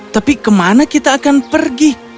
tapi kemana kita akan pergi